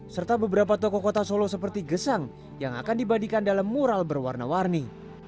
serta beberapa tokoh kota solo seperti gesang yang akan dibandingkan dalam mural berwarna warni